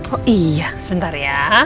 oh iya sebentar ya